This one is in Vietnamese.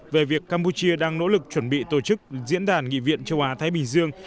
về việc campuchia đang nỗ lực chuẩn bị tổ chức diễn đàn nghị viện châu á thái bình dương